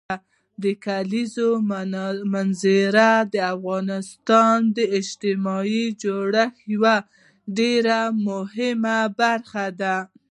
د کلیزو منظره د افغانستان د اجتماعي جوړښت یوه ډېره مهمه برخه ده.